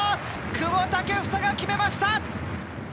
久保建英が決めました！